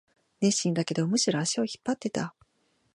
熱心だけど、むしろ足を引っ張ってた